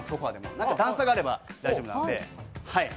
何か段差があれば大丈夫なので。